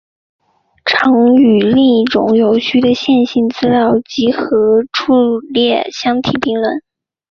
常与另一种有序的线性资料集合伫列相提并论。